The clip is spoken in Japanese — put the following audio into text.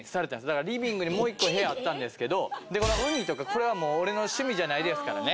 だからリビングにもう１個部屋あったんですけどでこの海とかこれはもう俺の趣味じゃないですからね。